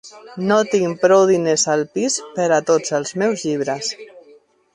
No tinc prou diners al pis per a tots els meus llibres.